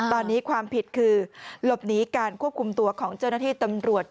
ตอนนี้ความผิดคือหลบหนีการควบคุมตัวของเจ้าหน้าที่ตำรวจ